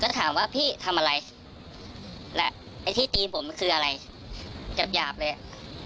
ก็ถามว่าพี่ทำอะไรแล้วไอ้ที่ตีนผมมันคืออะไรหยาบหยาบเลย